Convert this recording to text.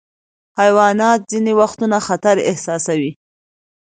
حیوانات ځینې وختونه خطر احساسوي.